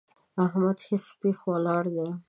احمد هېښ پېښ ولاړ دی!